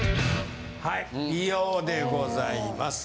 はい美容でございます。